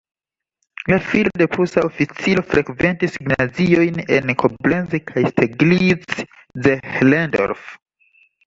La filo de prusa oficiro frekventis gimnaziojn en Koblenz kaj Steglitz-Zehlendorf.